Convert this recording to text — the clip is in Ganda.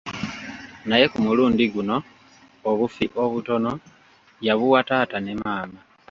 Naye ku mulundi guno obufi obutono ya buwa taata ne maama.